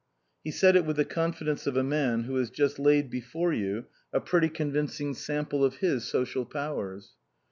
He said it with the confidence of a man who has just laid before you a pretty convincing sample of his social powers.